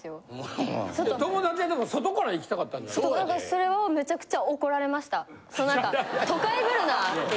それをめちゃくちゃ怒られました。